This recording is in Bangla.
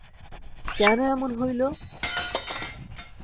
কেন এমন হইল!